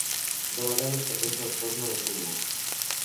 De vegades presenten forma de túmul.